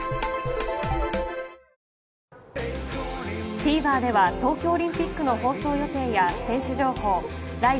ＴＶｅｒでは東京オリンピックの放送予定や選手の情報、ライブ、。